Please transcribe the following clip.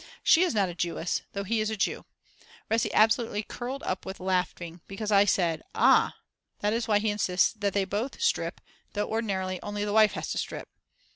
She is not a Jewess, though he is a Jew. Resi absolutely curled up with laughing because I said: "Ah, that is why he insists that they shall both strip though ordinarily only the wife has to strip."